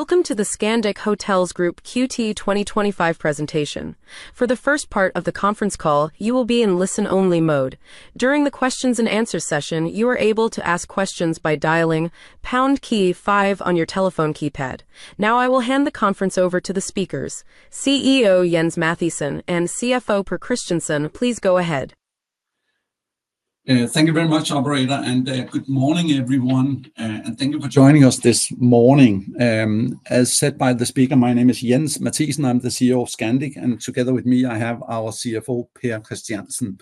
Welcome to the Scandic Hotels Group QT 2025 presentation. For the first part of the conference call, you will be in listen-only mode. During the questions and answers session, you are able to ask questions by dialing pound key five on your telephone keypad. Now I will hand the conference over to the speakers, CEO Jens Mathiesen and CFO Pär Christiansen. Please go ahead. Thank you very much, operator, and good morning everyone, and thank you for joining us this morning. As said by the speaker, my name is Jens Mathiesen. I'm the CEO of Scandic, and together with me I have our CFO Pär Christiansen.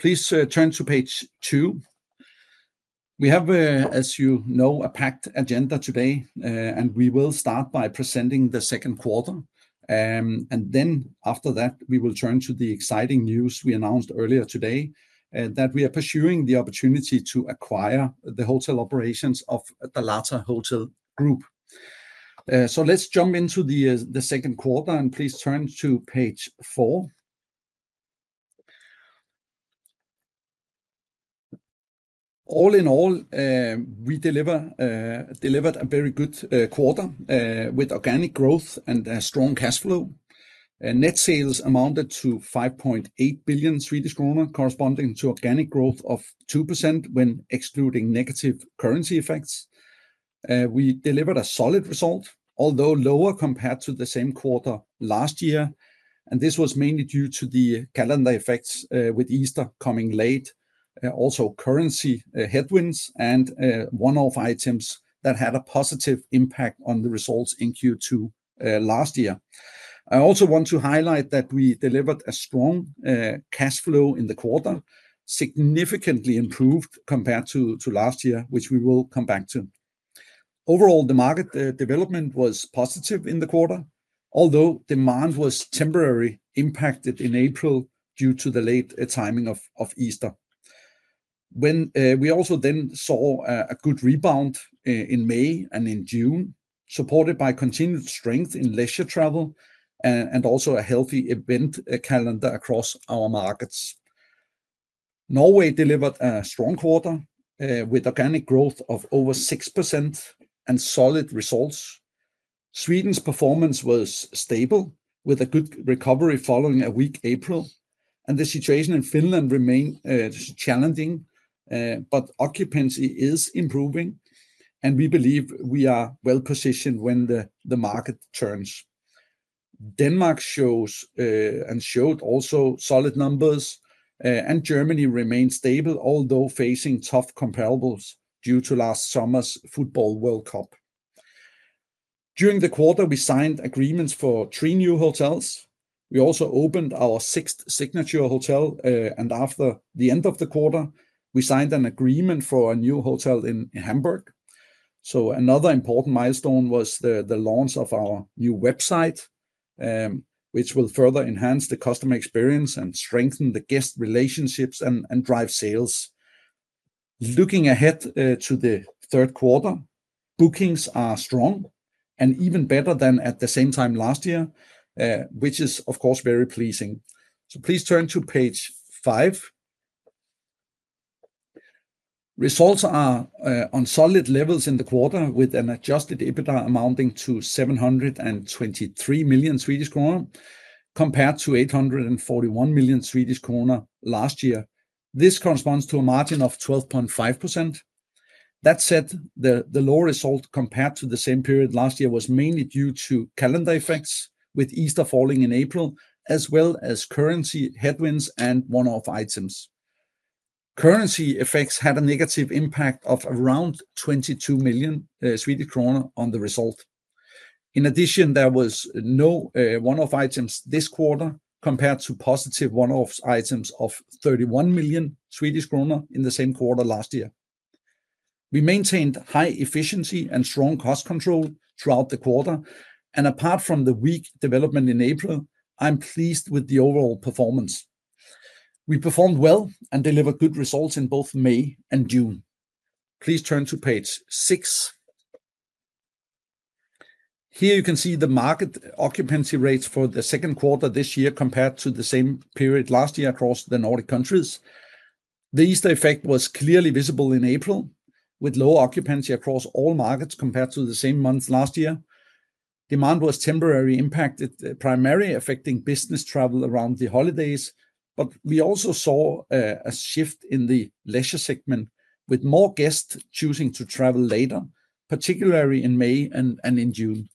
Please turn to page two. We have, as you know, a packed agenda today, and we will start by presenting the second quarter, and then after that we will turn to the exciting news. We announced earlier today that we are pursuing the opportunity to acquire the hotel operations of Dalata Hotel Group. Let's jump into the second quarter, and please turn to page four. All in all, we delivered a very good quarter with organic growth and strong cash flow. Net sales amounted to 5.8 billion Swedish kronor, corresponding to organic growth of 2%. When excluding negative currency effects, we delivered a solid result, although lower compared to the same quarter last year. This was mainly due to the calendar effects with Easter coming late, currency headwinds, and one-off items that had a positive impact on the results in Q2 last year. I also want to highlight that we delivered a strong cash flow in the quarter, significantly improved compared to last year, which we will come back to. Overall, the market development was positive in the quarter, although demand was temporarily impacted in April due to the late timing of Easter. We also then saw a good rebound in May and in June, supported by continued strength in leisure travel and also a healthy event calendar across our markets. Norway delivered a strong quarter with organic growth of over 6% and solid results. Sweden's performance was stable with a good recovery following a weak April, and the situation in Finland remained challenging, but occupancy is improving and we believe we are well-positioned when the market turns. Denmark showed also solid numbers, and Germany remained stable, although facing tough comparables due to last summer's Football World Cup. During the quarter, we signed agreements for three new hotels. We also opened our sixth Signature hotel, and after the end of the quarter we signed an agreement for a new hotel in Hamburg. Another important milestone was the launch of our new website, which will further enhance the customer experience and strengthen the guest relationships and drive sales. Looking ahead to the third quarter, bookings are strong and even better than at the same time last year, which is of course very pleasing. Please turn to page five. Results are on solid levels in the quarter with an adjusted EBITDA amounting to 723 million Swedish kronor compared to 841 million Swedish kronor last year. This corresponds to a margin of 12.5%. That said, the low result compared to the same period last year was mainly due to calendar effects with Easter falling in April as well as currency headwinds and one-off items. Currency effects had a negative impact of around 22 million Swedish kronor on the result. In addition, there were no one-off items this quarter compared to positive one-off items of 31 million Swedish kronor in the same quarter last year. We maintained high efficiency and strong cost control throughout the quarter and apart from the weak development in April, I'm pleased with the overall performance. We performed well and delivered good results in both May and June. Please turn to page six. Here you can see the market occupancy rates for the second quarter this year compared to the same period last year across the Nordic countries. The Easter effect was clearly visible in April with low occupancy across all markets compared to the same month last year. Demand was temporarily impacted, primarily affecting business travel around the holidays, but we also saw a shift in the leisure segment with more guests choosing to travel later, particularly in May and in June.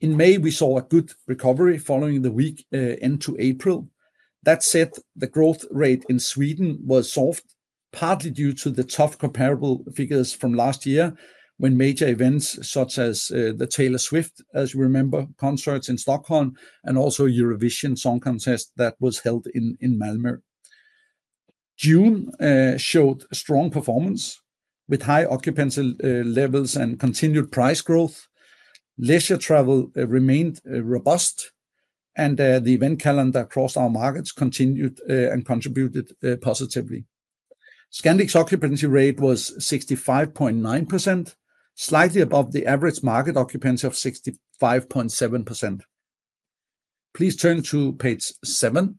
In May, we saw a good recovery following the weak end to April. That said, the growth rate in Sweden was soft, partly due to the tough comparable figures from last year when major events such as the Taylor Swift, as you remember, concerts in Stockholm and also. June showed strong performance with high occupancy levels and continued price growth. Leisure travel remained robust and the event calendar across our markets continued and contributed positively. Scandic's occupancy rate was 65.9%, slightly above the average market occupancy of 65.7%. Please turn to page seven.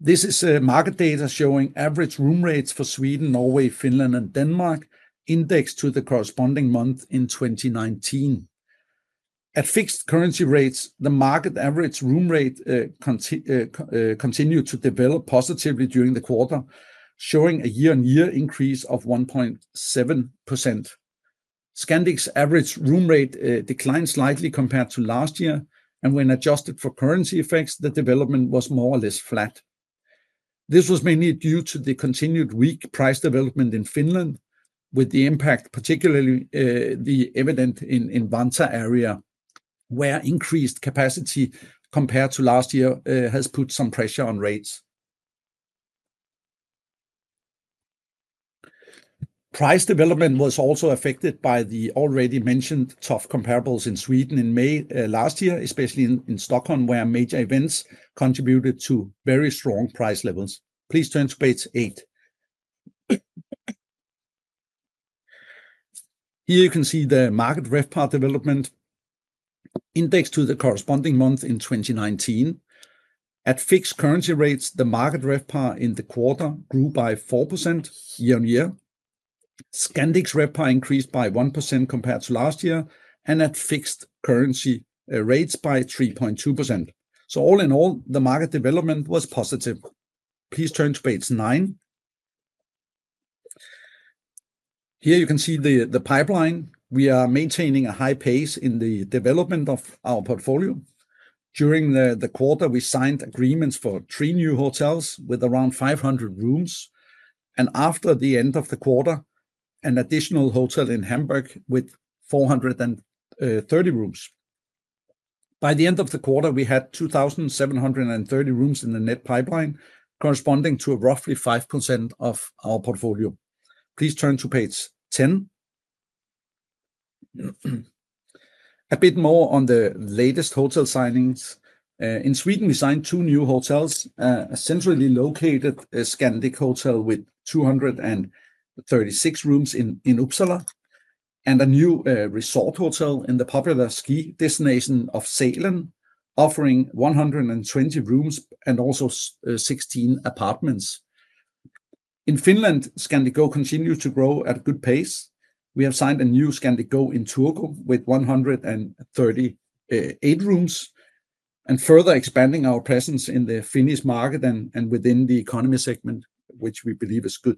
This is market data showing average room rates for Sweden, Norway, Finland, and Denmark indexed to the corresponding month in 2019 at fixed currency rates. The market average room rate continued to develop positively during the quarter, showing a year-on-year increase of 1.7%. Scandic's average room rate declined slightly compared to last year and when adjusted for currency effects, the development was more or less flat. This was mainly due to the continued weak price development in Finland, with the impact particularly evident in the Vantaa area where increased capacity compared to last year has put some pressure on rates. Price development was also affected by the already mentioned tough comparables in Sweden in May last year, especially in Stockholm where major events contributed to very strong price levels. Please turn to page eight. Here you can see the market RevPAR development index to the corresponding month in 2019. At fixed currency rates, the market RevPAR in the quarter grew by 4% year-on-year, Scandic's RevPAR increased by 1% compared to last year and at fixed currency rates by 3.2%. All in all, the market development was positive. Please turn to page nine. Here you can see the pipeline. We are maintaining a high pace in the development of our portfolio. During the quarter, we signed agreements for three new hotels with around 500 rooms, and after the end of the quarter, an additional hotel in Hamburg with 430 rooms. By the end of the quarter, we had 2,730 rooms in the net pipeline, corresponding to roughly 5% of our portfolio. Please turn to page 10. A bit more on the latest hotel signings. In Sweden, we signed two new hotels: a centrally located Scandic hotel with 236 rooms in Uppsala and a new resort hotel in the popular ski destination of Salen, offering 120 rooms and also 16 apartments. In Finland, Scandic Go continues to grow at a good pace. We have signed a new Scandic Go in Turku with 138 rooms, further expanding our presence in the Finnish market and within the economy segment, which we believe is good.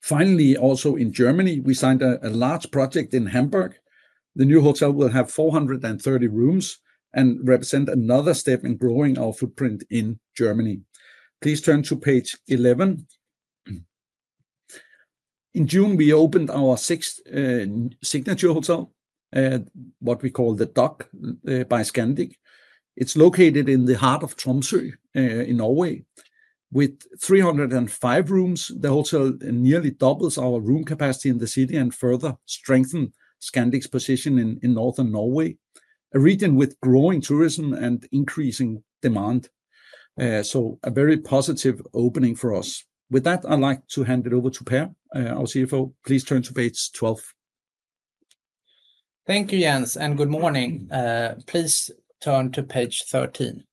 Finally, also in Germany, we signed a large project in Hamburg. The new hotel will have 430 rooms and represent another step in growing our footprint in Germany. Please turn to page 11. In June, we opened our sixth Signature hotel, what we call The Dock by Scandic. It's located in the heart of Tromsø in Norway with 305 rooms. The hotel nearly doubles our room capacity in the city and further strengthens Scandic's position in Northern Norway, a region with growing tourism and increasing demand. A very positive opening for us. With that, I'd like to hand it over to Pär, our CFO. Please turn to page 12. Thank you Jens and good morning. Please turn to page 13.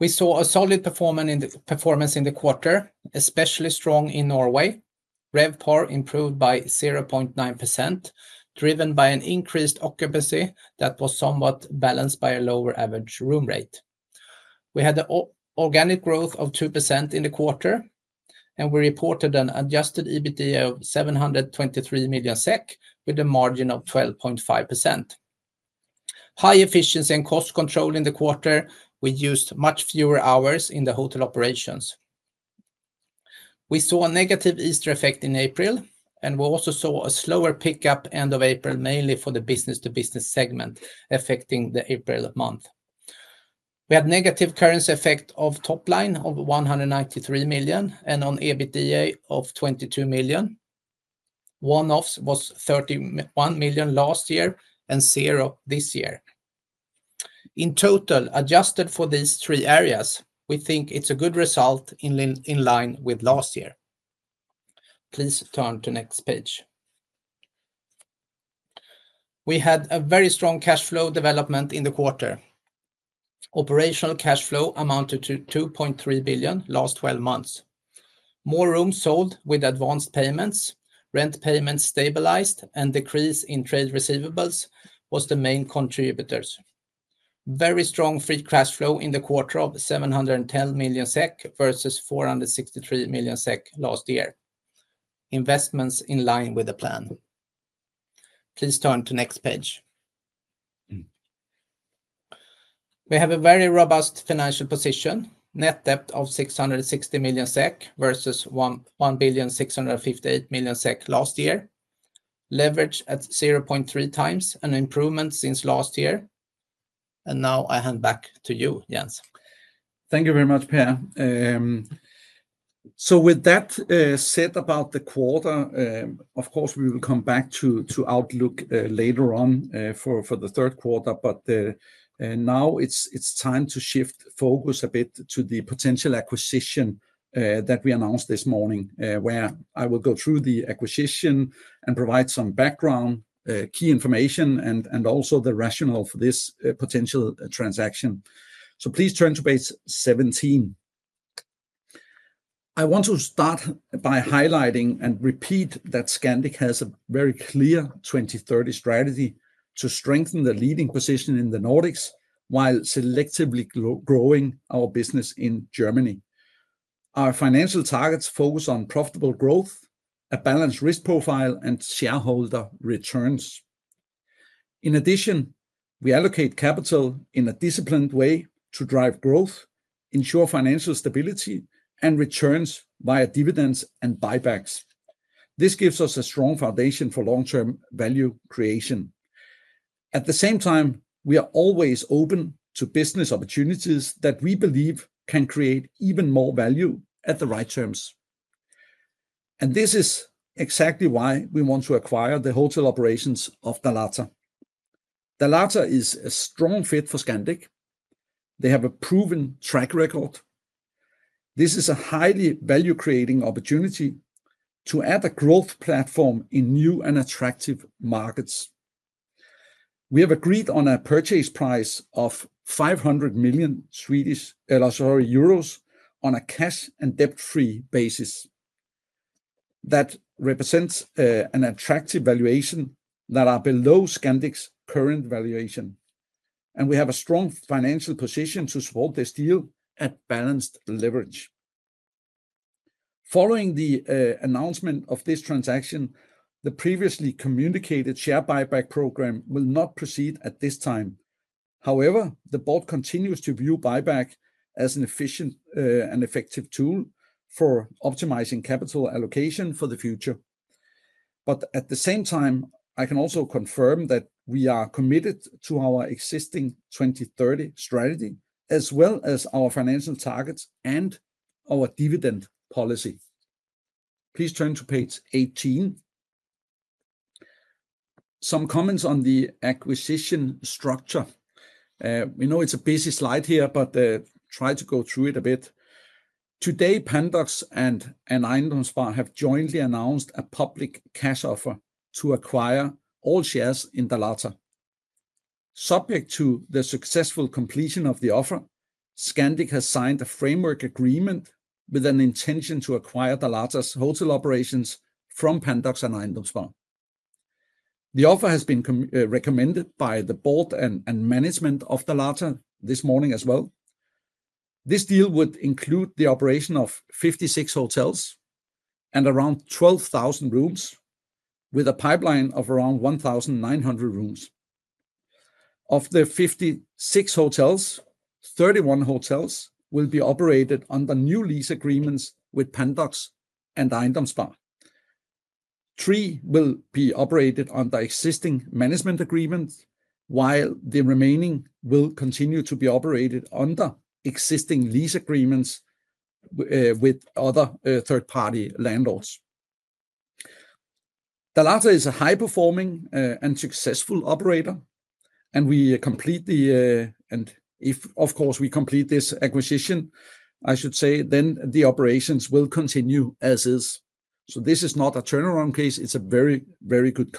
We saw a solid performance in the quarter, especially strong in Norway. RevPAR improved by 0.9% driven by an increased occupancy that was somewhat balanced by a lower average room rate. We had an organic growth of 2% in the quarter and we reported an adjusted EBITDA of 723 million SEK with a margin of 12.5%. High efficiency and cost control. In the quarter we used much fewer hours in the hotel operations. We saw a negative Easter effect in April and we also saw a slower pickup end of April mainly for the business-to-business segment ffecting the April month, we had negative currency effect of top line of 193 million and on EBITDA of 22 million. One-offs was 31 million last year and zero this year. In total adjusted for these three areas, we think it's a good result in line with last year. Please turn to next page. We had a very strong cash flow development in the quarter. Operational cash flow amounted to 2.3 billion last 12 months. More rooms sold with advanced payments, rent payments stabilized and decrease in trade receivables was the main contributors. Very strong free cash flow in the quarter of 710 million SEK versus 463 million SEK last year. Investments in line with the plan. Please turn to next page. We have a very robust financial position. Net debt of 660 million SEK versus 1,658 million SEK last year. Leverage at 0.3x, an improvement since last year. I hand back to you Jens. Thank you very much, Pär. With that said about the quarter, we will come back to outlook later on for the third quarter. Now it's time to shift focus a bit to the potential acquisition that we announced this morning, where I will go through the acquisition and provide some background, key information, and also the rationale for this potential transaction. Please turn to page 17. I want to start by highlighting and repeating that Scandic has a very clear 2030 strategy to strengthen the leading position in the Nordics while selectively growing our business in Germany. Our financial targets focus on profitable growth, a balanced risk profile, and shareholder returns. In addition, we allocate capital in a disciplined way to drive growth, ensure financial stability, and returns via dividends and buybacks. This gives us a strong foundation for long-term value creation. At the same time, we are always open to business opportunities that we believe can create even more value at the right terms. This is exactly why we want to acquire the hotel operations of Dalata. Dalata is a strong fit for Scandic. They have a proven track record. This is a highly value-creating opportunity to add a growth platform in new and attractive markets. We have agreed on a purchase price of 500 million on a cash- and debt-free basis. That represents an attractive valuation that is below Scandic's current valuation, and we have a strong financial position to support this deal at balanced leverage. Following the announcement of this transaction, the previously communicated share buyback program will not proceed at this time. However, the board continues to view buyback as an efficient and effective tool for optimizing capital allocation for the future. At the same time, I can also confirm that we are committed to our existing 2030 strategy as well as our financial targets and our dividend policy. Please turn to page 18. Some comments on the acquisition structure. We know it's a busy slide here, but I'll try to go through it a bit. Today, Pandox and Eiendomsspar have jointly announced a public cash offer to acquire all shares in Dalata. Subject to the successful completion of the offer, Scandic has signed a framework agreement with an intention to acquire Dalata's hotel operations from Pandox and Eiendomsspar. The offer has been recommended by the board and management of Dalata this morning as well. This deal would include the operation of 56 hotels and around 12,000 rooms, with a pipeline of around 1,900 rooms. Of the 56 hotels, 31 hotels will be operated under new lease agreements with Pandox and Eiendomsspar. Three will be operated under existing management agreements, while the remaining will continue to be operated under existing lease agreements with other third--arty landlords. Dalata is a high performing and successful operator. If we complete this acquisition, then the operations will continue as is. This is not a turnaround case. It's a very, very good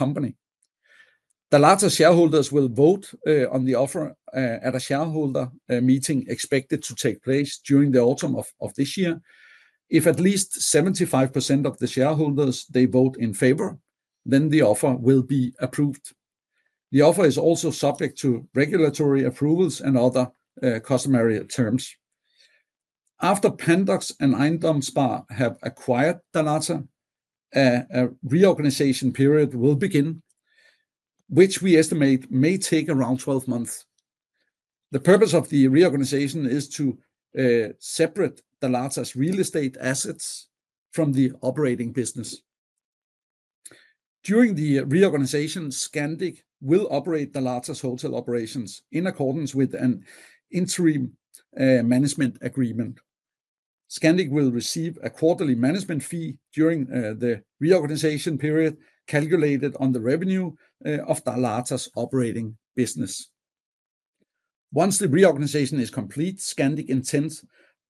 company. The larger shareholders will vote on the offer at a shareholder meeting expected to take place during the autumn of this year. If at least 75% of the shareholders vote in favor, then the offer will be approved. The offer is also subject to regulatory approvals and other customary terms. After Pandox and Eiendomsspar have acquired Dalata, a reorganization period will begin, which we estimate may take around 12 months. The purpose of the reorganization is to separate the largest real estate assets from the operating business. During the reorganization, Scandic will operate Dalata's hotel operations in accordance with an interim management agreement. Scandic will receive a quarterly management fee during the reorganization period calculated on the revenue of Dalata's operating business. Once the reorganization is complete, Scandic intends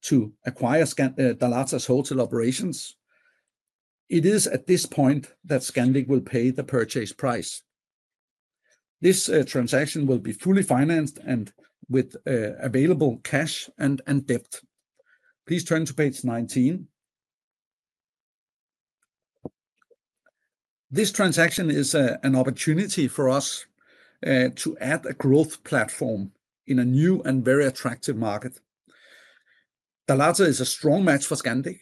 to acquire Dalata's hotel operations. It is at this point that Scandic will pay the purchase price. This transaction will be fully financed with available cash and debt. Please turn to page 19. This transaction is an opportunity for us to add a growth platform in a new and very attractive market. Dalata is a strong match for Scandic.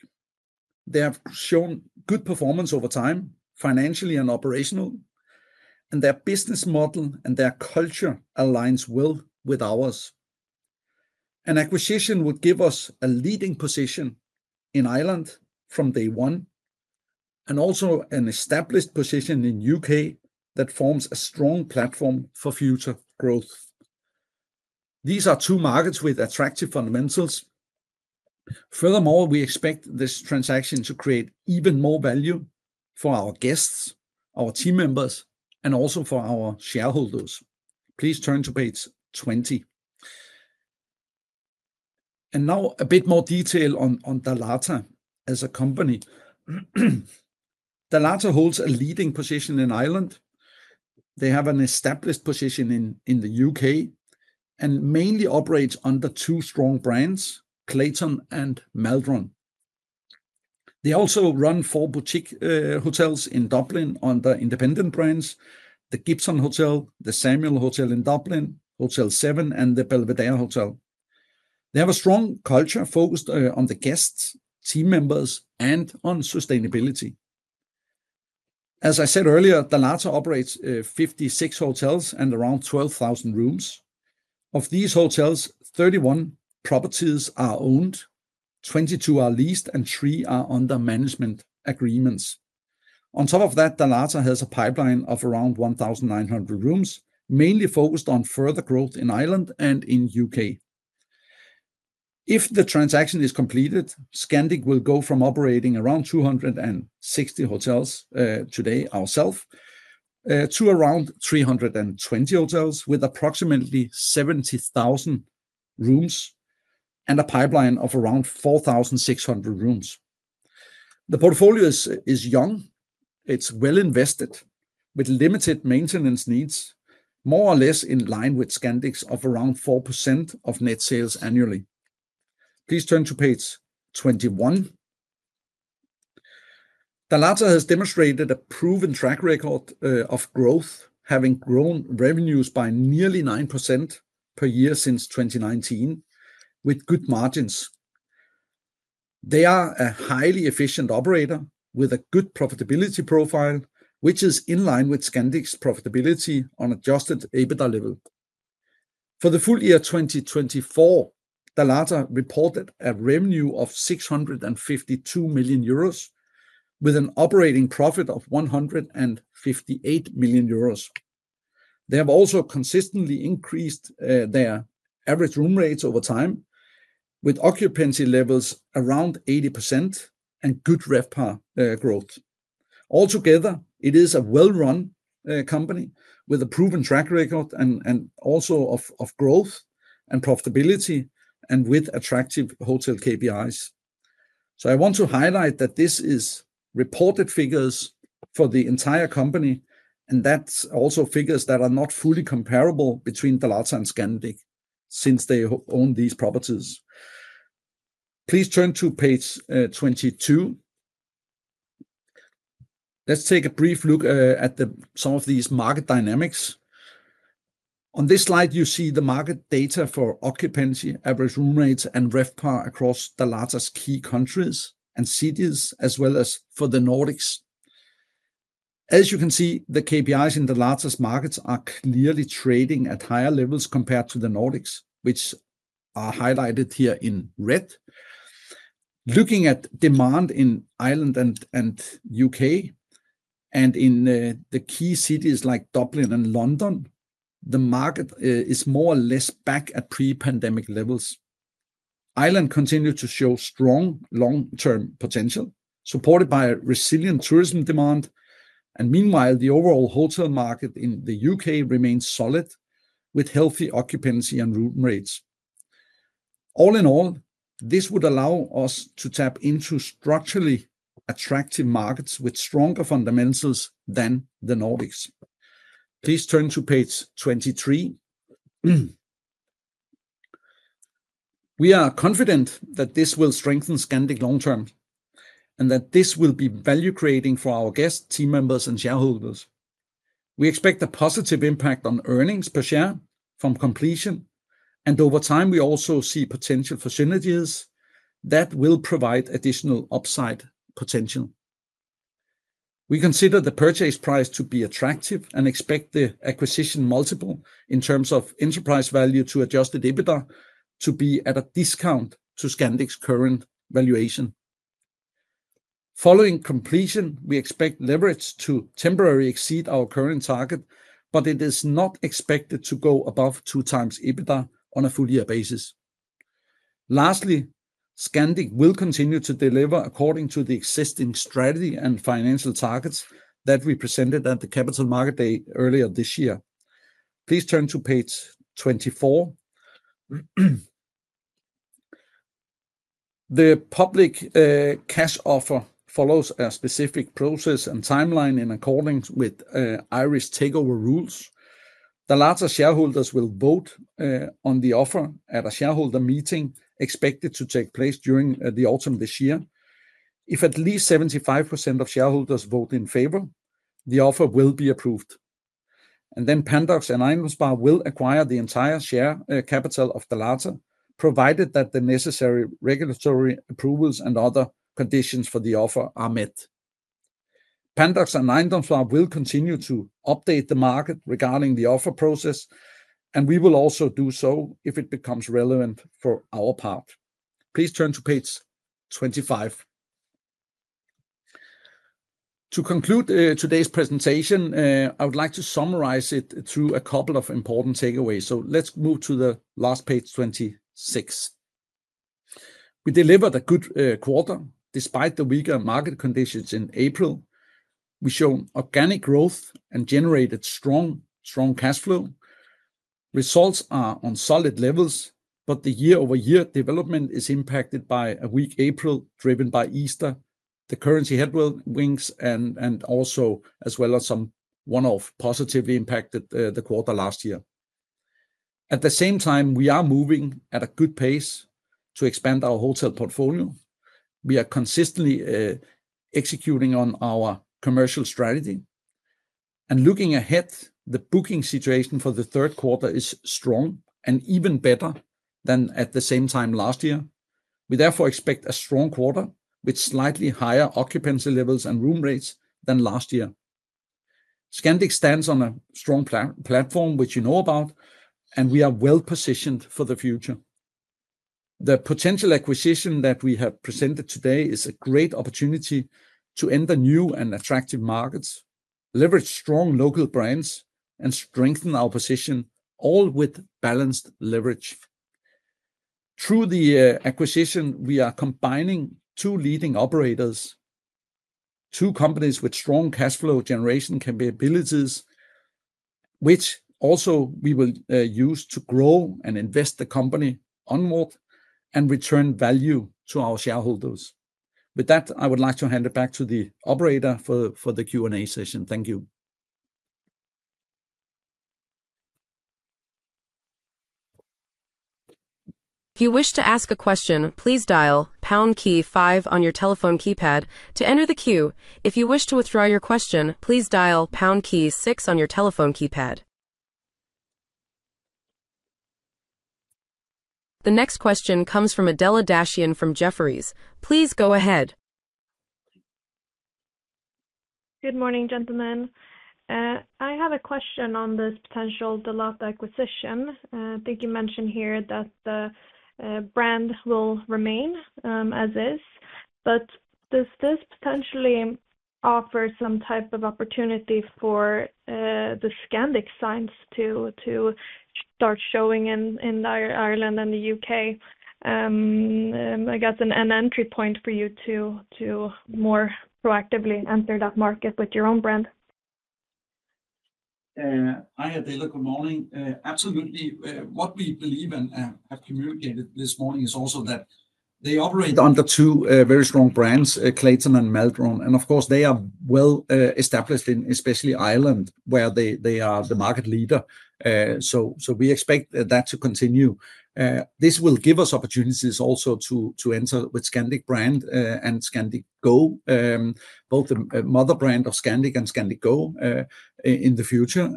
They have shown good performance over time, financially and operationally, and their business model and their culture aligns well with ours. An acquisition would give us a leading position in Ireland from day one and also an established position in the U.K. that forms a strong platform for future growth. These are two markets with attractive fundamentals. Furthermore, we expect this transaction to create even more value for our guests, our team members and also for our shareholders. Please turn to page 20. Now a bit more detail on Dalata as a company. Dalata holds a leading position in Ireland. They have an established position in the U.K. and mainly operate under two strong brands, Clayton and Maldron. They also run four boutique hotels in Dublin under independent brands: The Gibson Hotel, The Samuel Hotel in Dublin, Hotel 7, and The Belvedere Hotel. They have a strong culture focused on the guests, team members, and on sustainability. As I said earlier, Dalata operates 56 hotels and around 12,000 rooms. Of these hotels, 31 properties are owned, 22 are leased, and three are under management agreements. On top of that, Dalata has a pipeline of around 1,900 rooms, mainly focused on further growth in Ireland and in the U.K.. If the transaction is completed, Scandic will go from operating around 260 hotels today ourselves to around 320 hotels with approximately 70,000 rooms and a pipeline of around 4,600 rooms. The portfolio is young, it's well invested with limited maintenance needs, more or less in line with Scandic's of around 4% of net sales annually. Please turn to page 21. Dalata has demonstrated a proven track record of growth, having grown revenues by nearly 9% per year since 2019 with good margins. They are a highly efficient operator with a good profitability profile, which is in line with Scandic's profitability on adjusted EBITDA level. For the full year 2024, Dalata reported a revenue of 652 million euros with an operating profit of 158 million euros. They have also consistently increased their average room rates over time with occupancy levels around 80% and good RevPAR growth altogether. It is a well-run company with a proven track record of growth and profitability and with attractive hotel KPIs. I want to highlight that this is reported figures for the entire company and that's also figures that are not fully comparable between Dalata and Scandic since they own these properties. Please turn to page 22. Let's take a brief look at some of these market dynamics. On this slide, you see the market data for occupancy, average room rates, and RevPAR across the Dalata's key countries and cities as well as for the Nordics. As you can see, the KPIs in the Dalata's markets are clearly trading at higher levels compared to the Nordics, which are highlighted here in red. Looking at demand in Ireland and U.K. and in the key cities like Dublin and London, the market is more or less back at pre-pandemic levels. Ireland continued to show strong long-term potential supported by resilient tourism demand, and meanwhile the overall hotel market in the U.K. remains solid with healthy occupancy and room rates. All in all, this would allow us to tap into structurally attractive markets with stronger fundamentals than the Nordics. Please turn to page 23. We are confident that this will strengthen Scandic long term and that this will be value-creating for our guests, team members, and shareholders. We expect a positive impact on earnings per share from completion and over time. We also see potential for synergies that will provide additional upside potential. We consider the purchase price to be attractive and expect the acquisition multiple in terms of enterprise value to adjusted EBITDA to be at a discount to Scandic's current valuation. Following completion, we expect leverage to temporarily exceed our current target, but it is not expected to go above 2x EBITDA on a full-year basis. Lastly, Scandic will continue to deliver according to the existing strategy and financial targets that we presented at the Capital Market Day earlier this year. Please turn to page 24. The public cash offer follows a specific process and timeline in accordance with Irish takeover rules. The larger shareholders will vote on the offer at a shareholder meeting expected to take place during the autumn this year. If at least 75% of shareholders vote in favor, the offer will be approved and then Pandox and Eiendomsspar will acquire the entire share capital of Dalata, provided that the necessary regulatory approvals and other conditions for the offer are met. Pandox and Eiendomsspar will continue to update the market regarding the offer process and we will also do so if it becomes relevant for our part. Please turn to page 25. To conclude today's presentation, I would like to summarize it through a couple of important takeaways, so let's move to the last page 26. We delivered a good quarter despite the weaker market conditions in April. We show organic growth and generated strong, strong cash flow. Results are on solid levels, but the year-over-year development is impacted by a weak April driven by Easter, the currency headwinds, and also as well as some one-off positively impacted the quarter last year. At the same time, we are moving at a good pace to expand our hotel portfolio. We are consistently executing on our commercial strategy and looking ahead. The booking situation for the third quarter is strong and even better than at the same time last year. We therefore expect a strong quarter with slightly higher occupancy levels and room rates than last year. Scandic stands on a strong platform, which you know about, and we are well-positioned for the future. The potential acquisition that we have presented today is a great opportunity to enter new and attractive markets, leverage strong local brands, and strengthen our position, all with balanced leverage. Through the acquisition, we are combining two leading operators, two companies with strong cash flow generation capabilities, which we will also use to grow and invest the company onward and return value to our shareholders. With that, I would like to hand it back to the operator for the Q&A session. Thank you. If you wish to ask a question, please dial pound key five on your telephone keypad to enter the queue. If you wish to withdraw your question, please dial pound key six on your telephone keypad. The next question comes from Adela Dashian from Jefferies. Please go ahead. Good morning gentlemen. I have a question on this potential Dalata acquisition. I think you mentioned here that the brand will remain as is, but does this potentially offer some type of opportunity for the Scandic signs to start showing in Ireland and the U.K.? I guess an entry point for you to more proactively enter that market with your own brand. Hi Adela. Good morning. Absolutely. What we believe and have communicated this morning is also that they operate under two very strong brands, Clayton and Maldron. Of course, they are well established in especially Ireland where they are the market leader. We expect that to continue. This will give us opportunities also to enter with Scandic brand and Scandic Go, both the mother brand of Scandic and Scandic Go in the future.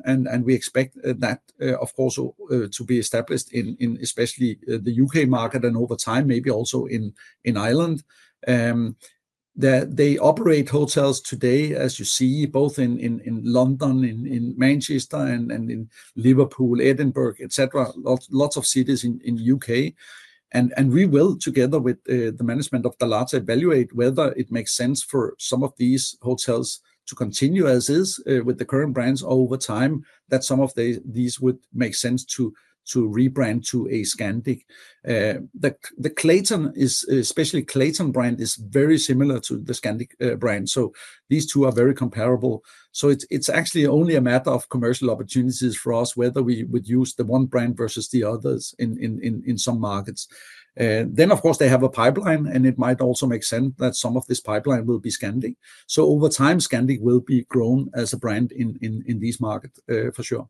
We expect that to be established in especially the U.K. market and over time maybe also in Ireland. They operate hotels today as you see both in London, in Manchester, in Liverpool, Edinburgh, etc. Lots of cities in the U.K.. We will, together with the management of Dalata, evaluate whether it makes sense for some of these hotels to continue as is with the current brands or over time that some of these would make sense to rebrand to a Scandic. The Clayton brand is very similar to the Scandic brand. These two are very comparable. It is actually only a matter of commercial opportunities for us whether we would use the one brand versus the others in some markets. They have a pipeline and it might also make sense that some of this pipeline will be Scandic. Over time, Scandic will be grown as a brand in these markets for sure.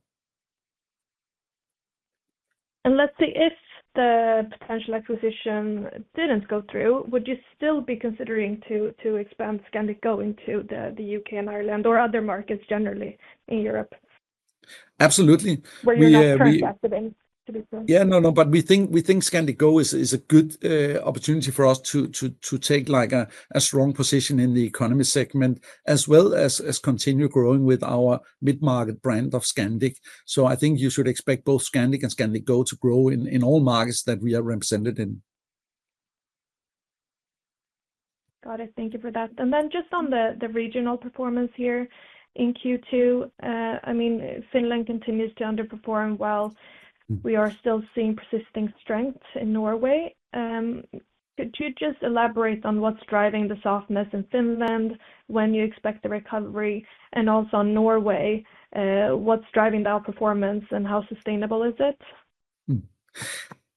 If the potential acquisition didn't go through, would you still be considering to expand Scandic Go into the U.K. and Ireland or other markets generally in Europe? Absolutely. Where you're not currently active in. We think Scandic Go is a good opportunity for us to take a strong position in the economy segment as well as continue growing with our mid-market brand of Scandic. I think you should expect both Scandic and Scandic Go to grow in all markets that we are represented in. Got it. Thank you for that. Just on the regional performance here in Q2, I mean Finland continues to underperform while we are still seeing persisting strength in Norway. Could you just elaborate on what's driving the softness in Finland, when you expect the recovery, and also Norway, what's driving the outperformance and how sustainable is it?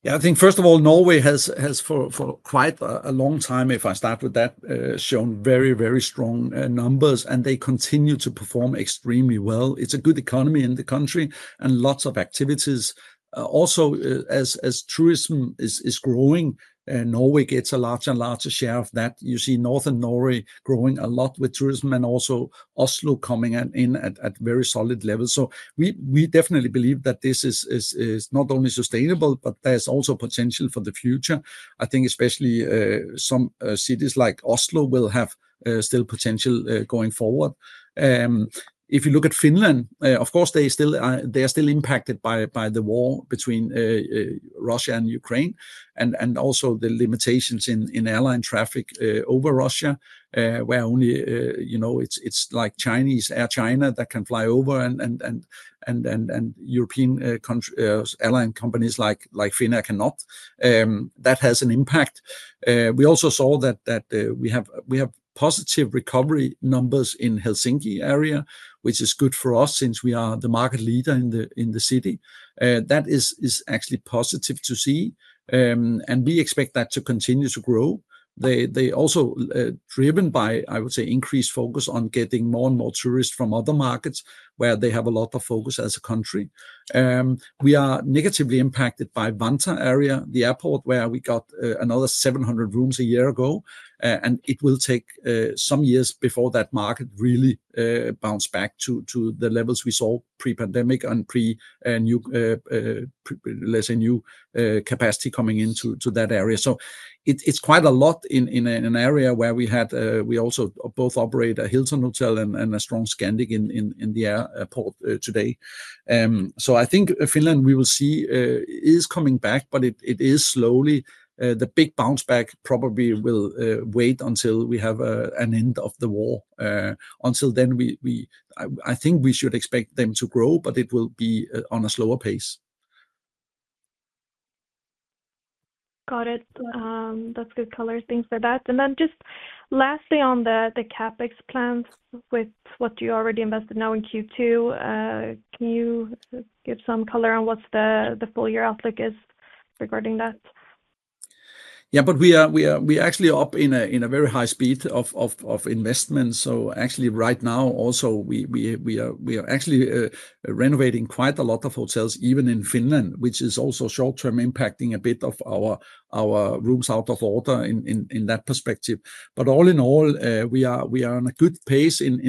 Yeah, I think first of all Norway has for quite a long time, if I start with that, shown very, very strong numbers and they continue to perform extremely well. It's a good economy in the country and lots of activities. Also, as tourism is growing, Norway gets a larger and larger share of that. You see Northern Norway growing a lot with tourism and also Oslo coming in at a very solid level. We believe that this is not only sustainable but there's also potential for the future. I think especially some cities like Oslo will have still potential going forward. If you look at Finland, of course they are still impacted by the war between Russia and Ukraine and also the limitations in airline traffic over Russia where only, you know, it's like Air China that can fly over and companies like Finnair cannot. That has an impact. We also saw that we have positive recovery numbers in the Helsinki area, which is good for us since we are the market leader in the city. That is actually positive to see and we expect that to continue to grow. They are also driven by, I would say, increased focus on getting more and more tourists from other markets where they have a lot of focus as a country. We are negatively impacted by Vantaa area, the airport where we got another 700 rooms a year ago and it will take some years before that market really bounces back to the levels we saw pre-pandemic and pre, let's say, new capacity coming into that area. It's quite a lot in an area where we also both operate a Hilton hotel and a strong Scandic in the aiport today. I think Finland we will see is coming back, but it is slowly. The big bounce back probably will wait until we have an end of the war. Until then, I think we should expect them to grow, but it will be at a slower pace. Got it. That's good color. Thanks for that. Lastly, on the CapEx plans, with what you already invested now in Q2, can you give some color on what the full year outlook is regarding that? Yeah, we are actually up in a very high speed of investment. Right now we are renovating quite a lot of hotels, even in Finland, which is also short term impacting a bit of our rooms out of order in that perspective. All in all, we are on a good pace in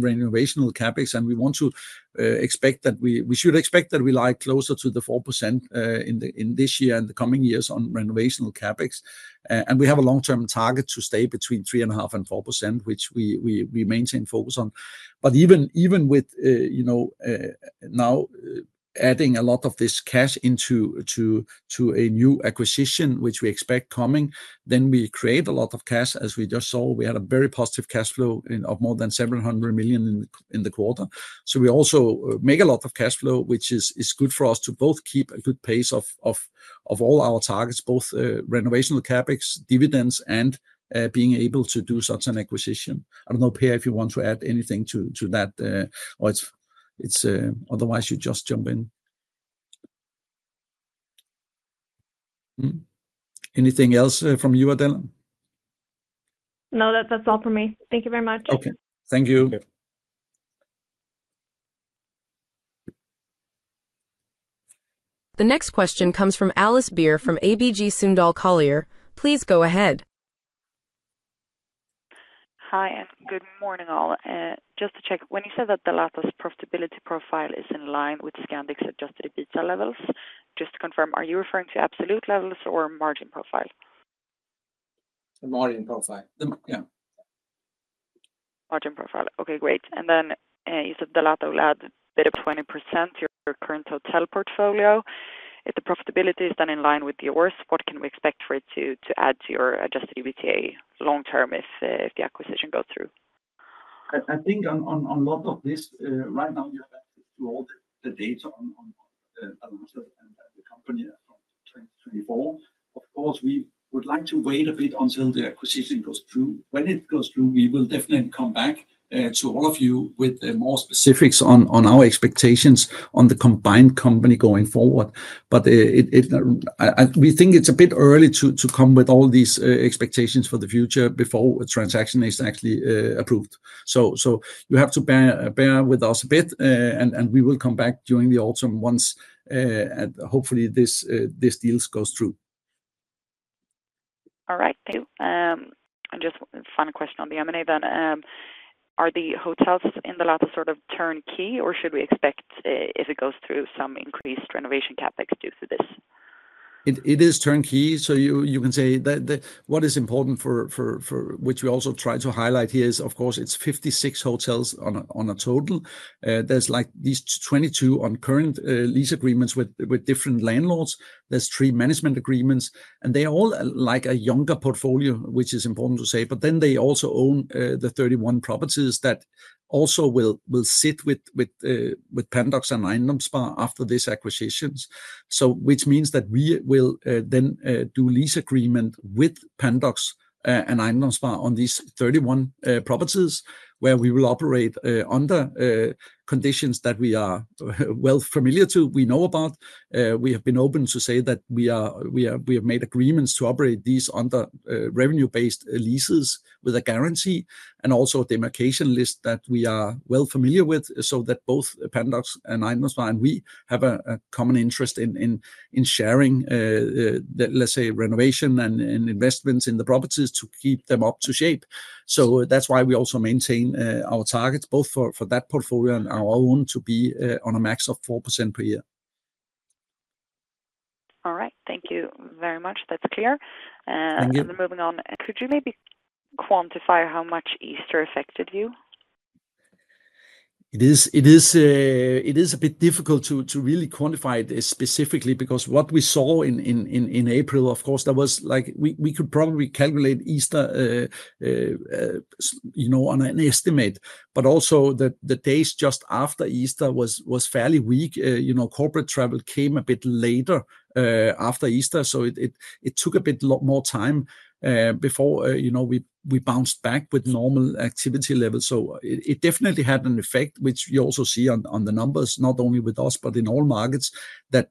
renovational CapEx and we want to expect that. We should expect that we lie closer to the 4% in this year and the coming years on renovation additional CapEx, and we have a long term target to stay between 3.5% and 4%, which we maintain focus on. Even with now adding a lot of this cash into a new acquisition, which we expect coming, we create a lot of cash. As we just saw, we had a very positive cash flow of more than 700 million in the quarter. We also make a lot of cash flow, which is good for us to both keep a good pace of all our targets, both renovational CapEx, dividends, and being able to do such an acquisition. I don't know, Pär, if you want to add anything to that or otherwise you just jump in. Anything else from you, Adela? That's all for me, thank you very much. Okay, thank you. The next question comes from Alice Beer from ABG Sundal Collier. Please go ahead. Hi and good morning all. Just to check, when you said that Dalata's profitability profile is in line with Scandic's adjusted EBITDA levels, just to confirm, are you referring to absolute levels or margin profile? Margin profile. Margin profile. Okay, great. You said Dalata will add a bit of 20% to your current hotel portfolio. If the profitability is then in line with yours, what can we expect for it to add to your adjusted EBITDA long term if the acquisition goes through? I think on a lot of this right now you have access to all the data on the company from 2024. Of course, we would like to wait a bit until the acquisition goes through. When it goes through, we will definitely come back to all of you with more specifics on our expectations on the combined company going forward. We think it's a bit early to come with all these expectations for the future before a transaction is actually approved. You have to bear with us a bit, and we will come back during the autumn once and hopefully this deal goes through. All right, just final question on the M&A then. Are the hotels in the Dalata sort of turnkey, or should we expect if it goes through some increased renovation CapEx due to this? It is turnkey. What is important, which we also try to highlight here, is of course it's 56 hotels on a total. There's these 22 on current lease agreements with different landlords. There are three management agreements, and they are all a younger portfolio, which is important to say. They also own the 31 properties that will sit with Pandox and Eiendomsspar after these acquisitions, which means that we will then do lease agreements with Pandox and Eiendomsspar on these 31 properties where we will operate under conditions that we are well familiar with, we know about. We have been open to say that we have made agreements to operate these under revenue-based leases with a guarantee and also a demarcation list that we are well familiar with. Both Pandox and Eiendomsspar and we have a common interest in sharing renovation and investments in the properties to keep them up to shape. That is why we also maintain our targets both for that portfolio and our own to be on a MA 4% per year. All right, thank you very much, that's clear. Moving on, could you maybe quantify how much Easter affected you? It is a bit difficult to really quantify it specifically because what we saw in April, of course, there was like we could probably calculate Easter, you know, on an estimate. Also, the days just after Easter were fairly weak. You know, corporate bit later after Easter. It took a bit more time before we bounced back with normal activity levels. It definitely had an effect, which you also see on the numbers, not only with us but in all markets, that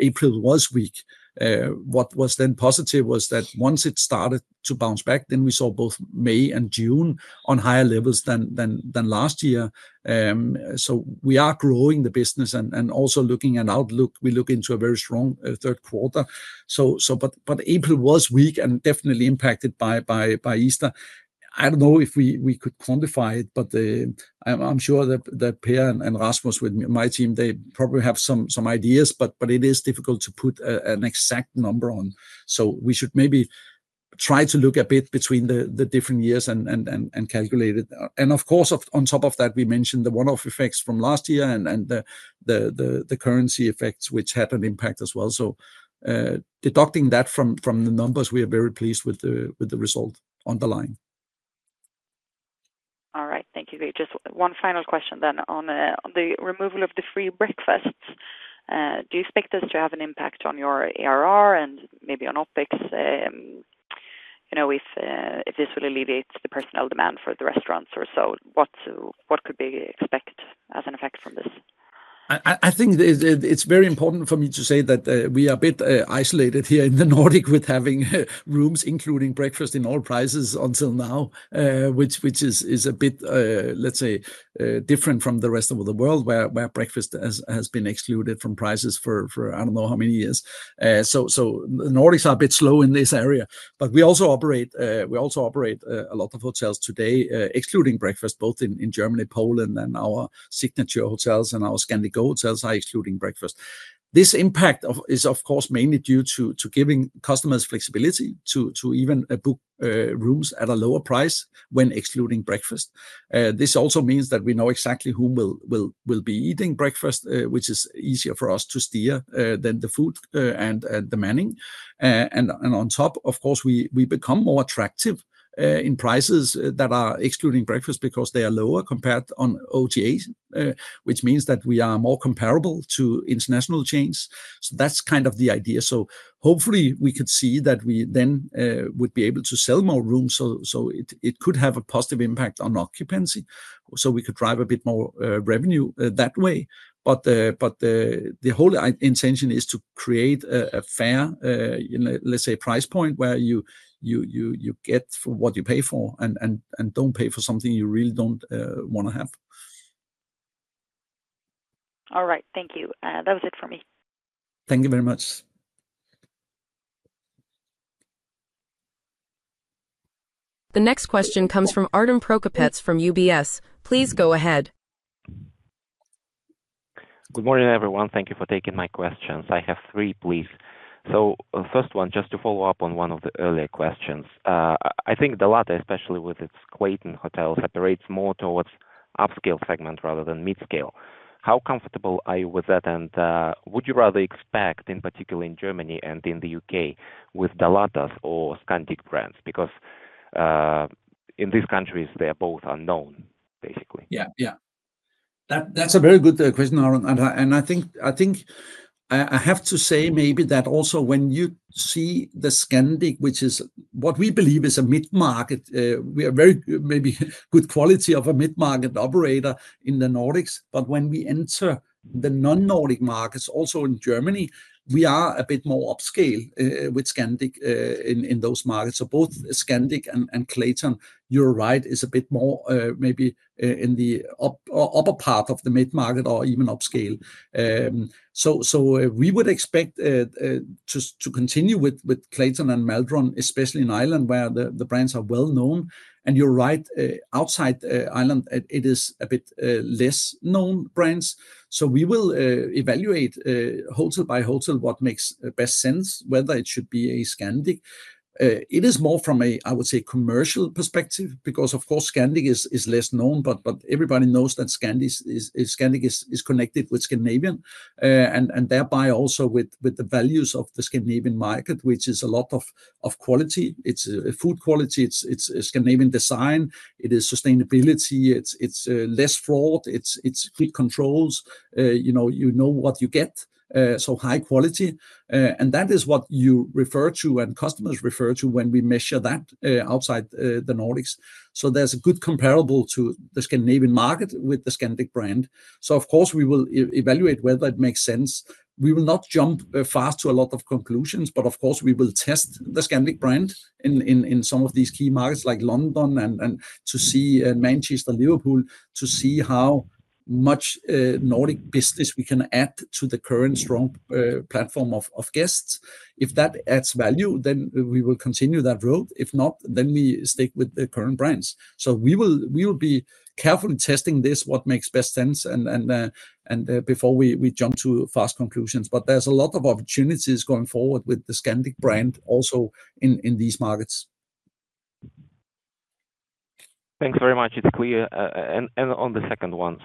April was weak. What was then positive was that once it started to bounce back, we saw both May and June on higher levels than last year. We are growing the business and also looking at outlook, we look so, but April was weak and definitely impacted by Easter. I don't know if we could quantify it, but I'm sure that Pär and Rasmus with my team, they probably have some ideas, but it is difficult to put an exact number on. We should maybe try to look a bit between the different years and calculate it. Of course, on top of that, we mentioned the one-off effects from last year and the currency effects, which had an impact as well. Deducting that from the numbers, we are very pleased with the result underlying. All right, thank you. Just one final question then. On the removal of the free breakfasts, do you expect this to have an impact on your ARR and maybe on OpEx, if this will alleviate the personnel demand for the restaurants or so, what could we expect as an effect from this? I think it's very important for me to say that we are a bit isolated here in the Nordics with having rooms including breakfast in all prices until now, which is a bit, let's say, different from the rest of the world where breakfast has been excluded from prices for I don't know how many years. The Nordics are a bit slow in this area. We also operate a lot of hotels today excluding breakfast, both in Germany, Poland, and our Signature hotels, and our Scandic Go hotels are excluding breakfast. This impact is of course mainly due to giving customers flexibility to even book rooms at a lower price when excluding breakfast. This also means that we know exactly who will be eating breakfast, which is easier for us to steer than the food and demanding. On top, of course, we become more attractive in prices that are excluding breakfast because they are lower compared on OTAs, which means that we are more comparable to international chains. That's kind of the idea. Hopefully, we could see that we then would be able to sell more rooms. It could have a positive impact on occupancy, so we could drive a bit more revenue that way. The whole intention is to create a fair, let's say, price point where you get for what you pay for and don't pay for something you really don't want to have. All right, thank you. That's it for me. Thank you very much. The next question comes from Artem Prokopets from UBS. Please go ahead. Good morning everyone. Thank you for taking my questions. I have three please. First, just to follow up on one of the earlier questions, I think the latter, especially with Clayton, separates more towards upscale segment rather than mid scale. How comfortable are you with that? Would you rather expect in particular in Germany and in the U.K. with Dalata's or Scandic brands? Because in these countries they are both unknown, basically. Yeah, that's a very good question, Artem. I think I have to say maybe that also when you see Scandic, which is what we believe is a mid market, we are very maybe good quality of a mid market operator in the Nordics. When we enter the non-Nordic markets, also in Germany, we are a bit more upscale with Scandic in those markets. Both Scandic and Clayton, you're right, is a bit more maybe in the upper part of the mid market or even upscale. We would expect just to continue with Clayton and Maldron, especially in Ireland where the brands are well known. You're right, outside Ireland it is a bit less known brands. We will evaluate hotel by hotel. What makes best sense whether it should be a Scandic? It is more from a, I would say, commercial perspective because of course Scandic is less known. Everybody knows that Scandic is connected with Scandinavian and thereby also with the values of the Scandinavian market, which is a lot of quality. It's food quality, it's Scandinavian design, it is sustainability, it's less fraud, it's quick controls. You know what you get, so high quality, and that is what you refer to and customers refer to when we measure that outside the Nordics. There's a good comparable to the Scandinavian market with the Scandic brand. Of course we will evaluate whether it makes sense. We will not jump fast to a lot of conclusions. Of course we will test the Scandic brand in some of these key markets like London, Manchester, Liverpool, to see how much Nordic business we can add to the current strong platform of guests. If that adds value, then we will continue that road. If not, then we stick with the current brands. We will be carefully testing this, what makes best sense before we jump to fast conclusions. There's a lot of opportunities going forward with the Scandic brand also in these markets. Thanks very much. It's clear. On the second one,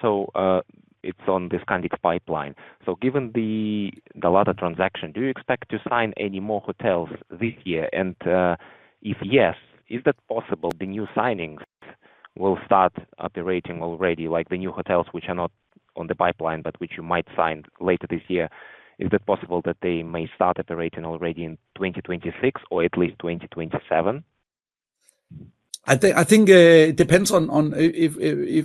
it's on the Scandic pipeline. Given the Dalata transaction, do you expect to sign any more hotels this year? If yes, is it possible the new signings will start operating already, like the new hotels which are not on the pipeline but which you might sign later this year? Is it possible that they may start operating already in 2026 or at least 2027? I think it depends on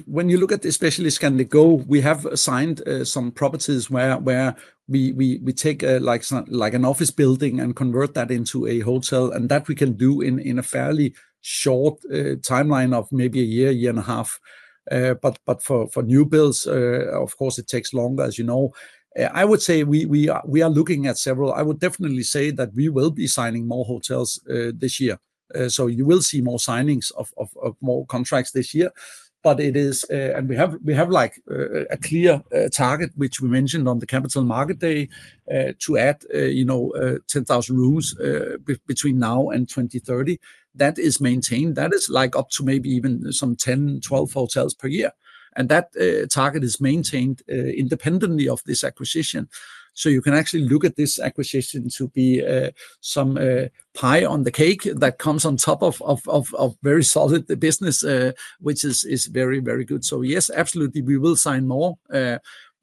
when you look at especially Scandic Go. We have signed some properties where we take an office building and convert that into a hotel, and that we can do in a fairly short timeline of maybe a year, year and a half. For new builds, of course it takes longer. As you know, I would say we are looking at several. I would definitely say that we will be signing more hotels this year. You will see more signings of more contracts this year. We have a clear target which we mentioned on the capital market day to add 10,000 rooms between now and 2030. That is maintained, that is up to maybe even some 10-12 hotels per year, and that target is maintained independently of this acquisition. You can actually look at this acquisition to be some pie on the cake that comes on top of very solid business, which is very, very good. Yes, absolutely, we will sign more.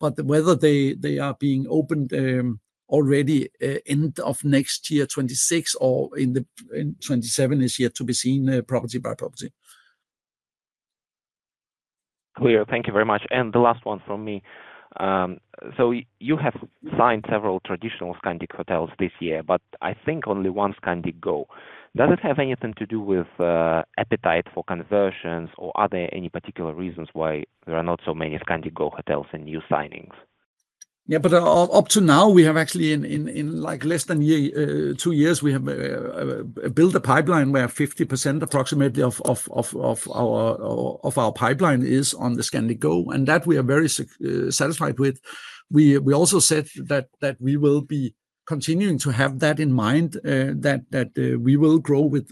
Whether they are being opened already end of next year, 2026 or in 2027 is yet to be seen, property by property. Thank you very much. The last one from me. You have signed several traditional Scandic hotels this year, but I think only one Scandic Go. Does it have anything to do with appetite for conversions, or are there any particular reasons why there are not so many Scandic Go hotels and new signings? Yeah, but up to now we have actually in like less than two years we have built a pipeline where approximately 50% of our pipeline is on the Scandic Go and that we are very satisfied with. We also said that we will be continuing to have that in mind, that we will grow with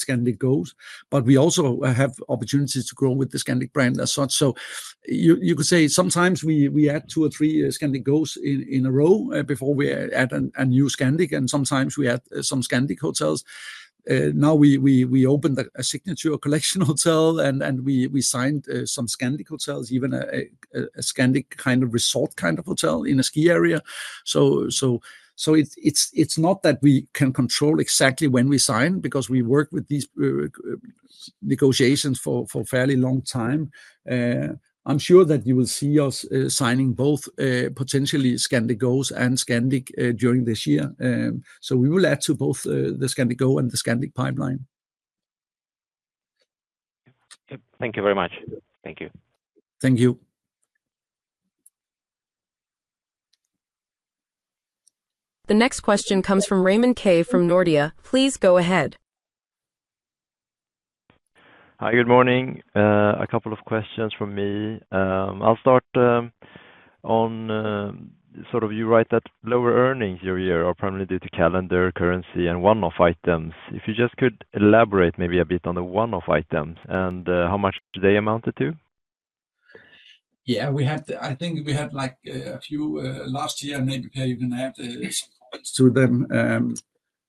Scandic Go, but we also have opportunities to grow with the Scandic brand as such. You could say sometimes we add two or three Scandic Go in a row before we add a new Scandic and sometimes we have some Scandic hotels. Now we opened a Signature Collection hotel and we signed some Scandic hotels, even a Scandic kind of resort hotel in a ski area. It's not that we can control exactly when we sign because we work with these negotiations for a fairly long time. I'm sure that you will see us signing both potentially Scandic Go and Scandic during this year. We will add to both the Scandic pipeline. Thank you very much. Thank you. Thank you. The next question comes from Raymond Ke from Nordea. Please go ahead. Hi, good morning. A couple of questions from me. I'll start on sort of, you write that lower earnings year are primarily due to calendar, currency, and one-off items. If you just could elaborate maybe a bit on the one- off items and how much they amounted to. Yeah, we had. I think we had like a few last year. Maybe they even added to them.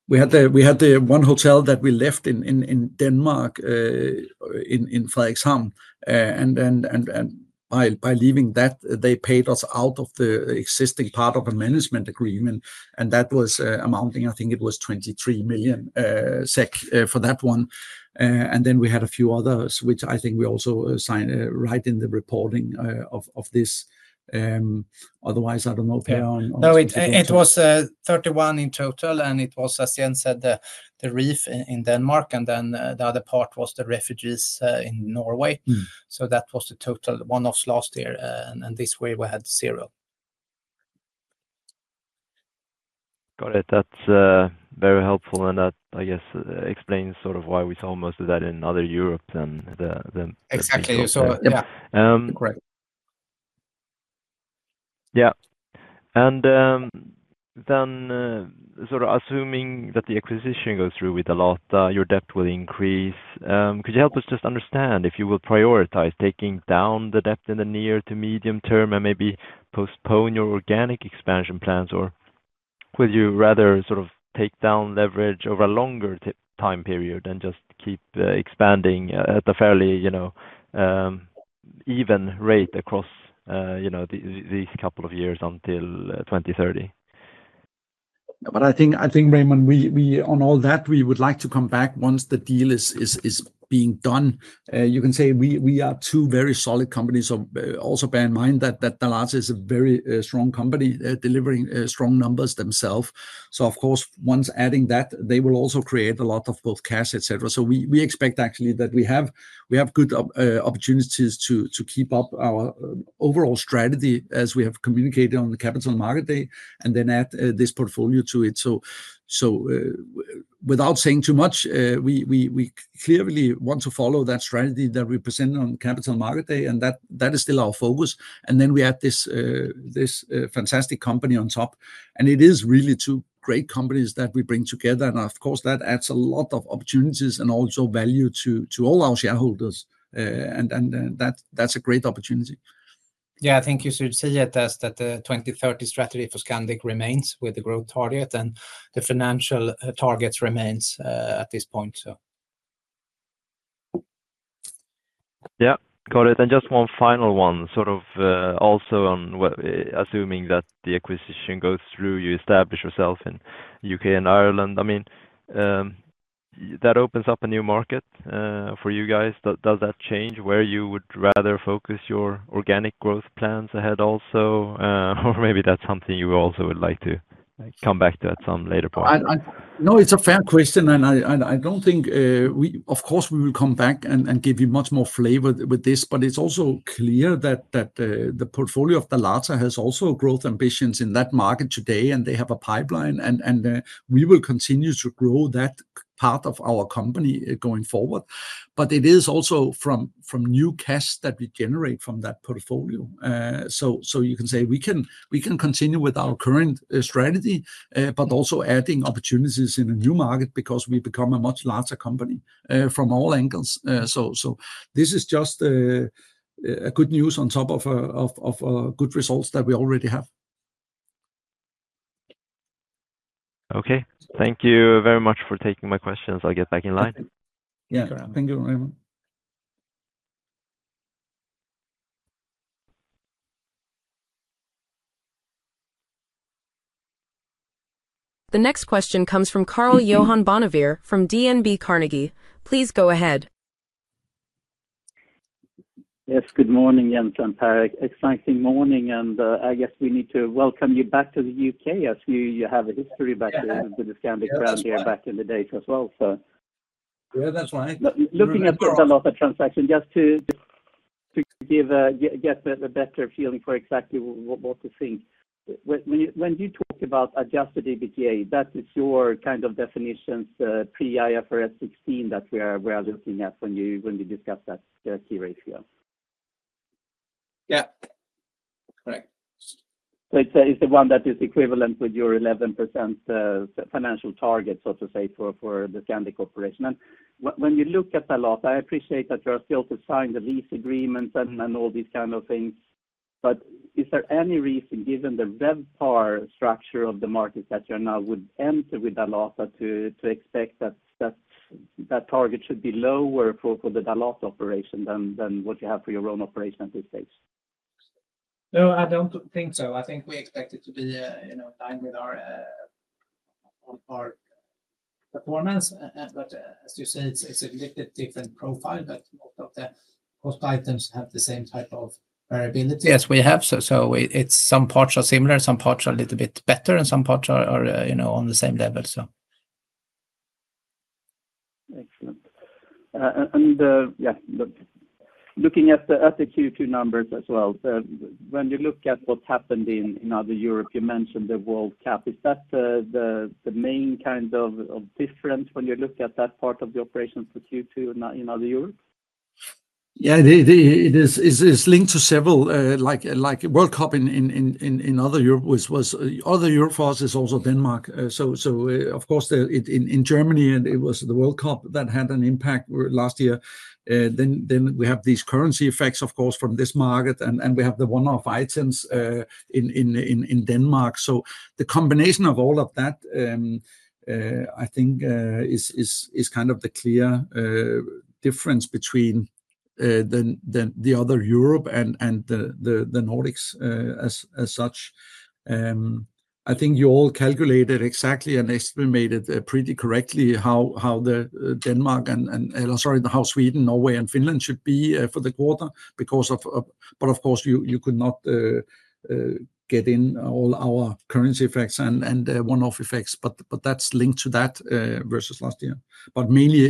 We had the one hotel that we left in Denmark in [Frederikshavn], and by leaving that they paid us out of the existing part of a management agreement, and that was amounting, I think it was 23 million SEK for that one. Then we had a few others which I think we also signed right in the reporting of this. Otherwise I don't know. It was 31 in total and it was as Jens said, The Reef in Denmark and then the other part was the refugees in Norway. That was the total one-offs last year and this way we had zero. Got it. That's very helpful. I guess that explains sort of why we saw most of that in other Europe then. Exactly. You saw that. Yeah. Correct. Assuming that the acquisition goes through, with a lot your debt will increase. Could you help us just understand if you will prioritize taking down the debt in the near to medium term and maybe postpone your organic expansion plans, or would you rather take down leverage over a longer time period and just keep expanding at the fairly even rate across these couple of years until 2030. I think, Raymond, on all that we would like to come back once the deal is being done. You can say we are two very solid companies. Also, bear in mind that Dalata is a very strong company delivering strong numbers themselves. Of course, once adding that, they will also create a lot of both cash, etc. We expect actually that we have good opportunities to keep up our overall strategy as we have communicated on the Capital Market Day and then add this portfolio to it. Without saying too much, we clearly want to follow that strategy that was represented on Capital Market Day and that is still our focus. We add this fantastic company on top and it is really two great companies that we bring together, and of course that adds a lot of opportunities and also value to all our shareholders, and that's a great opportunity. I think you should say that the 2030 strategy for Scandic remains with the growth target, and the financial targets remain at this point. Yeah, got it. Just one final one, sort of also on assuming that the acquisition goes through, you establish yourself in the U.K. and Ireland. I mean, that opens up a new market for you guys. Does that change where you would rather focus your organic growth plans ahead also? Maybe that's something you also would like to come back to at some later point? No, it's a fair question and I don't think we, of course we will come back and give you much more flavor with this. It's also clear that the portfolio of Dalata has also growth ambitions in that market today and they have a pipeline and we will continue to grow that part of our company going forward. It is also from new cash that we generate from that portfolio. You can say we can continue with our current strategy, also adding opportunities in a new market because we become a much larger company from all angles. This is just good news on top of good results that we already have. Okay, thank you very much for taking my questions. I'll get back in line. Yeah, thank you, Raymond. The next question comes from Karl-Johan Bonnevier from DNB Carnegie. Please go ahead. Yes, good morning. Jens and Pär. Exciting morning and I guess we need to welcome you back to the U.K. as you have a history back with Scandic around here back in the days as well. That's why looking at the Dalata transaction just to get a better feeling for exactly what to think when you talk about adjusted EBITDA. That is your kind of definitions pre-IFRS 16 that we are looking at when we discuss that key ratio. Yeah, correct. Is the one that is equivalent with your 11% financial target, so to say, for the Scandic Corporation. When you look at a lot, I appreciate that you are still to sign the lease agreement and all these kind of things, but is there any reason, given the RevPAR structure of the market that you now would enter with Dalata, to expect that that target should be lower for the Dalata operation than what you have for your own operation at this stage? No, I don't think so. I think we expect it to be in line with our performance. As you said, it's a little different profile, but most items have the same type of variability as we have. Some parts are similar, some parts are a little bit better, and some parts are on the same level. Excellent. Looking at the Q2 numbers as well, when you look at what happened in other Europe, you mentioned the World Cup. Is that the main kind of difference when you look at that part of the operation for Q2 in other Europe? Yeah, it is linked to several, like World Cup in other Europe, which was other Europe for us is also Denmark. Of course, in Germany, it was the World Cup that had an impact last year. Then we have these currency effects, of course, from this market, and we have the one-off items in Denmark. The combination of all of that, I think, is kind of the clear difference between the other Europe and the Nordics. I think you all calculated exactly and estimated pretty correctly how Sweden, Norway, and Finland should be for the quarter. Of course, you get in all our currency effects and one-off effects, but that's linked to that versus last year, but mainly,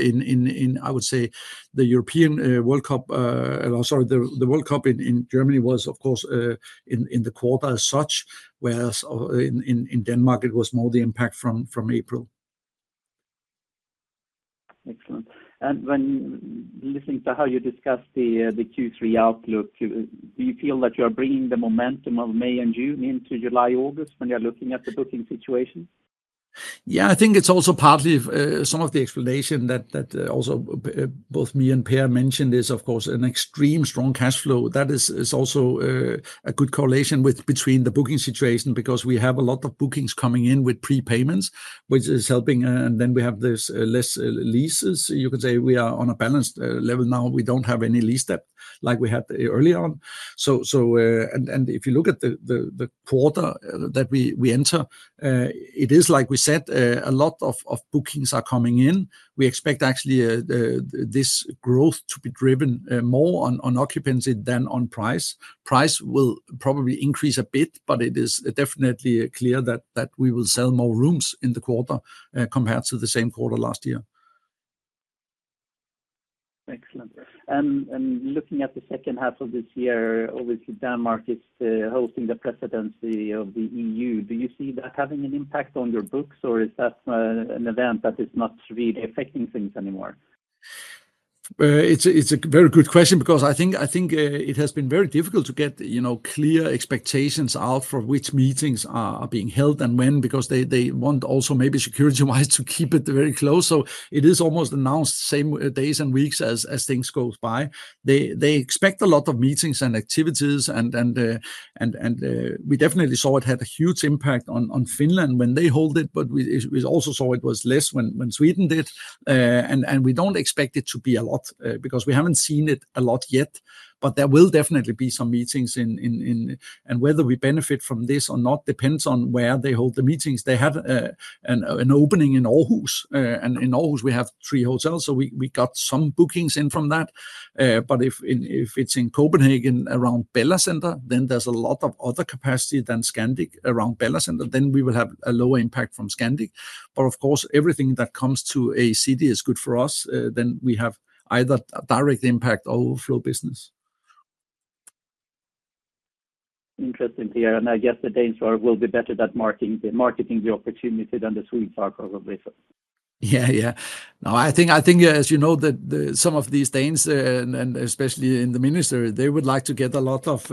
I would say, the European World Cup—sorry, the World Cup in Germany was, of course, in the quarter as such, whereas in Denmark, it was more the impact from April. Excellent. When listening to how you discussed the Q3 outlook, do you feel that you are bringing the momentum of May and June into July and August when you're looking at the booking situation? Yeah, I think it's also partly some of the explanation that both me and Pär mentioned is of course an extremely strong cash flow that is also a good correlation with the booking situation because we have a lot of bookings coming in with prepayments, which is helping, and then we have these less leases. You could say we are on a balanced level now. We don't have any lease depth like we had early on. If you look at the quarter that we enter, it is like we said, a lot of bookings are coming in. We expect actually this growth to be driven more on occupancy than on price. Price will probably increase a bit, but it is definitely clear that we will sell more rooms in the quarter compared to the same quarter last year. Excellent. Looking at the second half of this year, obviously Denmark is hosting the presidency of the EU. Do you see that having an impact on your books, or is that an event that is not really affecting things anymore? It's a very good question because I think it has been very difficult to get clear expectations out for which meetings are being held and when, because they want also maybe security wise to keep it very close. So it is almost announced same days and weeks as things go by. They expect a lot of meetings and activities, and we definitely saw it had a huge impact on Finland when they held it. We also saw it was less when Sweden did, and we don't expect it to be a lot because we haven't seen it a lot yet. There will definitely be some meetings in, and whether we benefit from this or not depends on where they hold the meetings they have, an opening in Aarhus. In Aarhus we have three hotels, so we got some bookings in from that. If it's in Copenhagen around Bella Center, then there's a lot of other capacity than Scandic around Bella Center, then we will have a lower impact from Scandic. Of course, everything that comes to a city is good for us. We have either direct impact or overflow business. Interesting here. I guess the Danes will be better at marketing the opportunity than the Swedes are probably. I think as you know that some of these Danes and especially in the ministry, they would like to get a lot of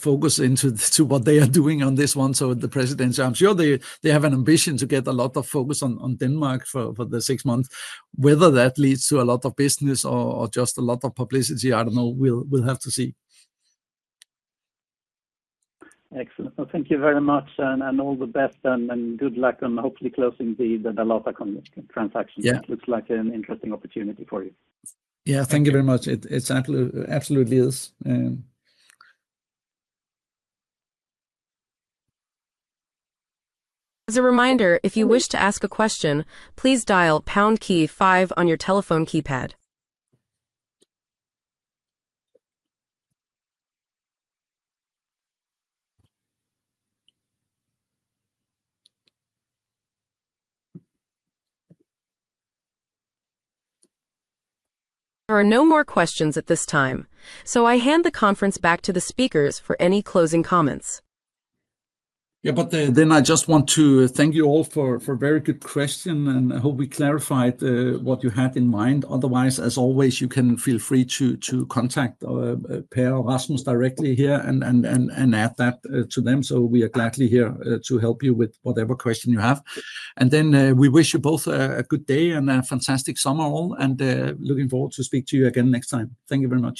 focus into what they are doing on this one. The President, I'm sure they have an ambition to get a lot of focus on Denmark for the six months. Whether that leads to a lot of business or just a lot of publicity, I don't know. We'll have to see. Excellent. Thank you very much and all the best. Good luck on hopefully closing the Dalata transactions. It looks like an interesting opportunity for you. Yeah, thank you very much. It absolutely is. As a reminder, if you wish to ask a question, please dial pound key five on your telephone keypad. There are no more questions at this time. I hand the conference back to the speakers for any closing comments. I just want to thank you all for very good question and I hope we clarified what you had in mind. Otherwise, as always, you can feel free to contact Pär or Rasmus directly here and add that to them. We are gladly here to help you with whatever question you have and we wish you both a good day and a fantastic summer all and looking forward to speak to you again next time. Thank you very much.